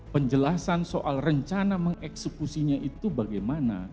penjelasan soal rencana mengeksekusinya itu bagaimana